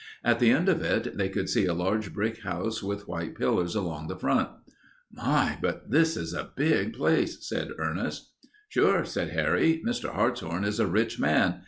At the end of it they could see a large brick house with white pillars along the front. "My, but this is a big place," said Ernest. "Sure," said Harry. "Mr. Hartshorn is a rich man.